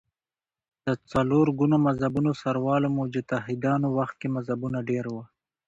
د څلور ګونو مذهبونو سروالو مجتهدانو وخت کې مذهبونه ډېر وو